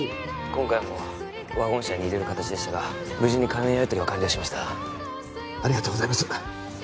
今回もワゴン車に入れる形でしたが無事に金のやりとりは完了しましたありがとうございます